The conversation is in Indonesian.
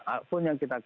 akun yang kita kerjakan